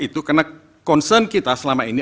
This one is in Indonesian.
itu karena concern kita selama ini